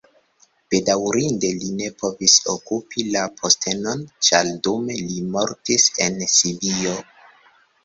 Bedaŭrinde li ne povis okupi la postenon, ĉar dume li mortis en Sibio.